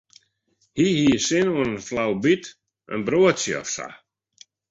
Hy hie sin oan in flaubyt, in broadsje of sa.